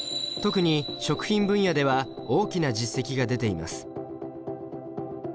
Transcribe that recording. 特に食品分野では大きな実績が出ています。